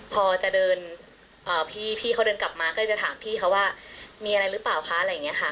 พอจะเดินพี่เขาเดินกลับมาก็เลยจะถามพี่เขาว่ามีอะไรหรือเปล่าคะอะไรอย่างนี้ค่ะ